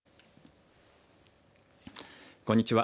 こんにちは。